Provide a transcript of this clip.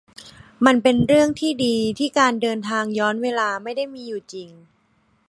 มันเป็นเรื่องที่ดีที่การเดินทางย้อนเวลาไม่ได้มีอยู่จริง